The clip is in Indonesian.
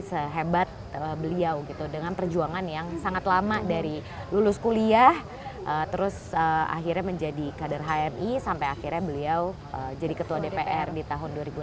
sehebat beliau gitu dengan perjuangan yang sangat lama dari lulus kuliah terus akhirnya menjadi kader hmi sampai akhirnya beliau jadi ketua dpr di tahun dua ribu enam belas